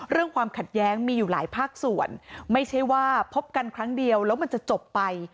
ความขัดแย้งมีอยู่หลายภาคส่วนไม่ใช่ว่าพบกันครั้งเดียวแล้วมันจะจบไป